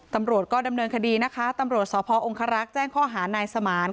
ตำรวจก็ดำเนินคดีนะคะตำรวจสพองคารักษ์แจ้งข้อหานายสมาน